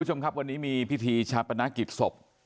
คุณผู้ชมครับวันนี้มีพิธีชาปนกิจศพ